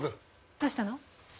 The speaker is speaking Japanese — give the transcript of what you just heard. どうしたの？